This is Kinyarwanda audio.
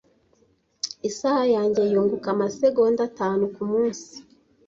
Isaha yanjye yunguka amasegonda atanu kumunsi.